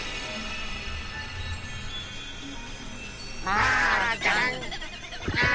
マーちゃん。